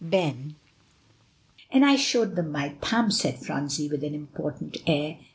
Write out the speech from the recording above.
"And I showed them my thumb," said Phronsie with an important air.